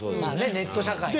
ネット社会でね。